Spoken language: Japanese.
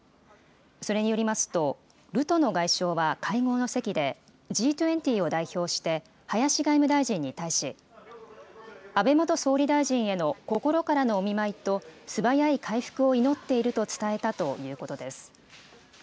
それによりますと、ルトノ外相は会合の席で、Ｇ２０を代表して林外務大臣に対し、安倍元総理大臣への心からのお見舞いと、素早い回復を祈っていると伝えたということです。